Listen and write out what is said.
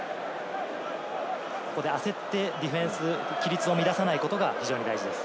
焦ってディフェンス、規律を乱さないことが大事です。